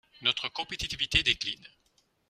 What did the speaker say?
Notre compétitivité décline.